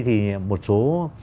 thì một số